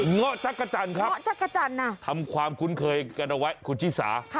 เงาะจักรจรทำความคุ้นเคยกันเอาไว้คุณชิสา